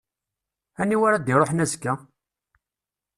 Aniwa ara d-iṛuḥen azekka?